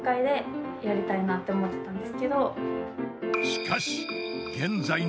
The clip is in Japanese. ［しかし］